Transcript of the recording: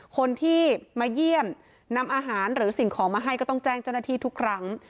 คนที่มาเยี่ยมนำอาหารหรือสิ่งของมาให้ก็ต้องแจ้งเจ้าหน้าที่ทุกครั้ง